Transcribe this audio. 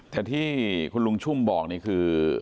แต่ที่คุณลุงชุ่มบอกนี่คือ